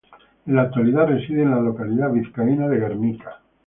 En la actualidad reside en la localidad vizcaína de Gernika.